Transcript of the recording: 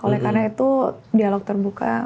oleh karena itu dialog terbuka